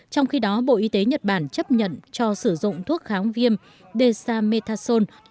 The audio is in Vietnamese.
trong khi đó bộ y tế nhật bản chấp nhận cho sử dụng thuốc kháng viêm desamethasone